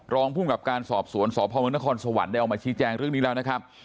รองภูมิกับการสอบสวนสพมนครสวรรค์ได้ออกมาชี้แจงเรื่องนี้แล้วนะครับ